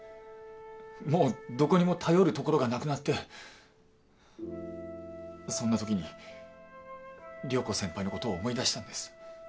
もうどこにも頼るところがなくなってそんなときに涼子先輩のことを思い出したんです。